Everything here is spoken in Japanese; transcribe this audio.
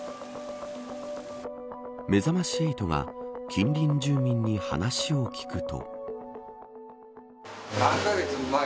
めざまし８が近隣住民に話を聞くと。